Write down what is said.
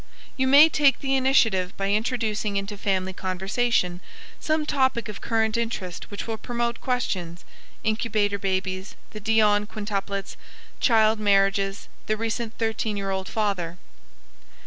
You may take the initiative by introducing into family conversation some topic of current interest which will promote questions incubator babies, the Dionne quintuplets, child marriages, the recent thirteen year old father.